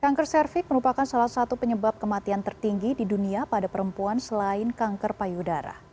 kanker cervix merupakan salah satu penyebab kematian tertinggi di dunia pada perempuan selain kanker payudara